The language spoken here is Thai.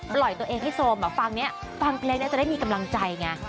ปล่อยตัวเองให้โซมฟังนี้ฟังเพลงนี้จะได้มีกำลังใจไง